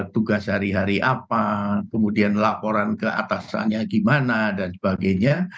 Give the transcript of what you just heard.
tugas hari hari apa kemudian laporan keatasannya gimana dan sebagainya